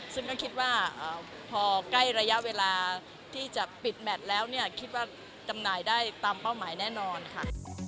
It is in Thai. ซึ่งก็คิดว่าพอใกล้ระยะเวลาที่จะปิดแมทแล้วเนี่ยคิดว่าจำหน่ายได้ตามเป้าหมายแน่นอนค่ะ